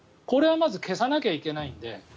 これはまず消さなきゃいけないので。